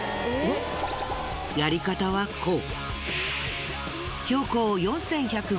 やり方はこう。